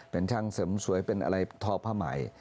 เป็นช่างเสริมสวยเป็นอะไรทอผ้าใหม่